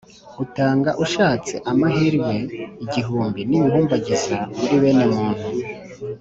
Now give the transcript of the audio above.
utanga ushatse amahirwe igihumbi n' ibihumbagiza muri bene muntu.